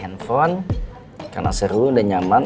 enggak gue mau makan aja